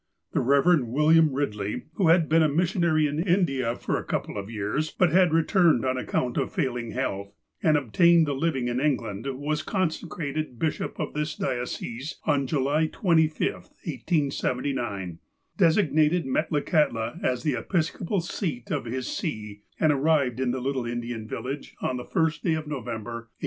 The Eev. William Eidley, who had been a missionary in India for a couple of years, but had returned on account of fail ing health, and obtained a living in England, was conse crated bishop of this diocese on July 25, 1879, desig nated Metlakahtla as the episcopal seat of his See, and arrived in the little Indian village on the first day of November, 1879.